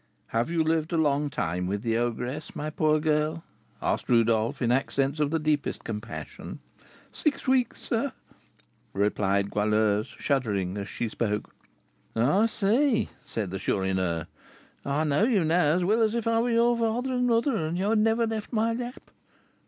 "Have you lived a long time with the ogress, my poor girl?" asked Rodolph, in accents of the deepest compassion. "Six weeks, sir," replied Goualeuse, shuddering as she spoke. "I see, I see," said the Chourineur; "I know you now as well as if I were your father and mother, and you had never left my lap.